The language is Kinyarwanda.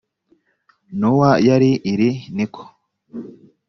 nowa yari iri ni ko